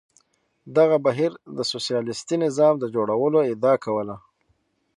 دغه بهیر د سوسیالیستي نظام د جوړولو ادعا کوله.